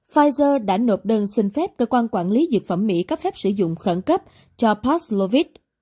pfizer đã nộp đơn xin phép cơ quan quản lý dược phẩm mỹ cấp phép sử dụng khẩn cấp cho pastlovit